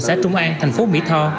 xã trung an thành phố mỹ tho